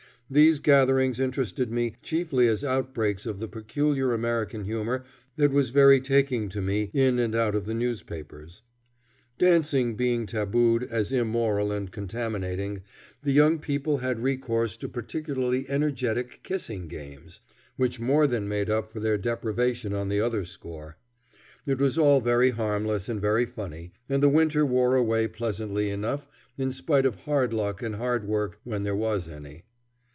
These gatherings interested me chiefly as outbreaks of the peculiar American humor that was very taking to me, in and out of the newspapers. Dancing being tabooed as immoral and contaminating, the young people had recourse to particularly energetic kissing games, which more than made up for their deprivation on the other score. It was all very harmless and very funny, and the winter wore away pleasantly enough in spite of hard luck and hard work when there was any.